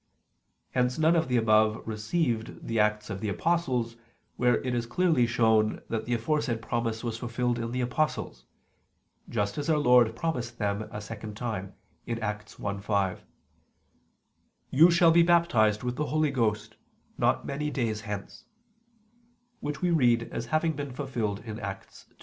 Hence none of the above received the Acts of the Apostles, where it is clearly shown that the aforesaid promise was fulfilled in the apostles: just as Our Lord promised them a second time (Acts 1:5): "You shall be baptized with the Holy Ghost, not many days hence": which we read as having been fulfilled in Acts 2.